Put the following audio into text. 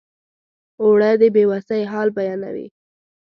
اوړه د بې وسۍ حال بیانوي